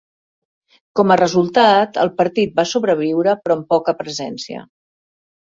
Com a resultat, el partit va sobreviure però amb poca presència.